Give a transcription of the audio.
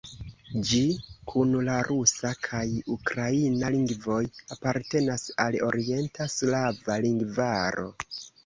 Ĝi kun la rusa kaj ukraina lingvoj apartenas al Orienta slava lingvaro.